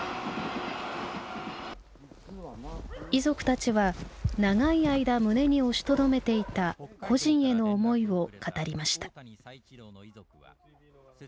遺族たちは長い間胸に押しとどめていた故人への思いを語りました。